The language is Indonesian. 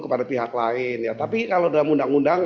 kepada pihak lain ya tapi kalau dalam undang undang